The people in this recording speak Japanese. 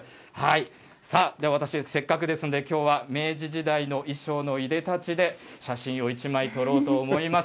さあ、では私、せっかくなのできょうは明治時代の衣装のいでたちで、写真を一枚撮ろうと思います。